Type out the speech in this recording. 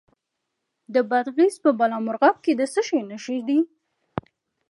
د بادغیس په بالامرغاب کې د څه شي نښې دي؟